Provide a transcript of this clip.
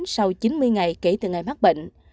sau chín mươi ngày kể từ ngày mắc bệnh